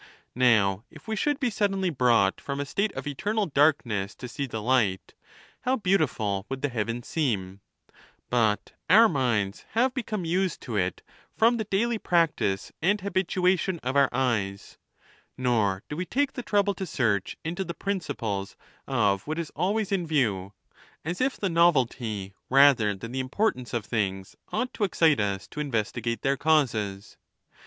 Now, if we should be suddenly brought from a state of eternal darkness to see the light, how beautiful would the heavens seem 1 But our minds have become used to it from the daily practice and habituation of our eyes, nor do we take the trouble to search into the princi ples of what is always in view ; as if the novelty, rather than the importance, of things ought to excite us to inves tigate their causes.